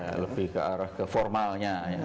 ya lebih ke arah ke formalnya